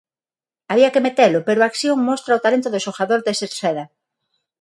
Había que metelo, pero a acción mostra o talento do xogador de Cerceda.